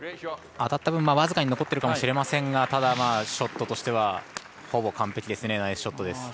当たった分、僅かに残ってるかもしれませんがただ、ショットとしてはほぼ完璧ですね。